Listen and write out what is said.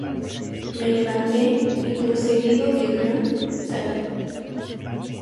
me levanté, y precedido de Brión, salí.